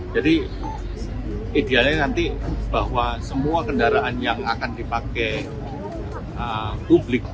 jadi idealnya nanti bahwa semua kendaraan yang akan dipakai publik